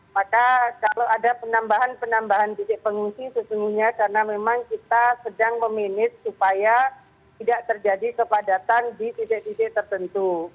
maka kalau ada penambahan penambahan titik pengungsi sesungguhnya karena memang kita sedang meminit supaya tidak terjadi kepadatan di titik titik tertentu